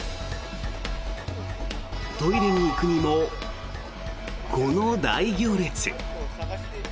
トイレに行くにもこの大行列。